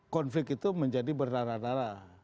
konflik itu menjadi berdarah darah